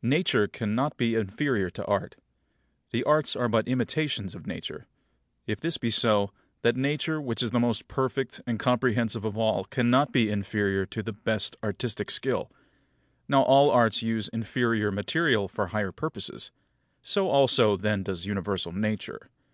10. Nature cannot be inferior to Art. The Arts are but imitations of Nature. If this be so, that Nature which is the most perfect and comprehensive of all cannot be inferior to the best artistic skill. Now all Arts use inferior material for higher purposes; so also then does universal Nature.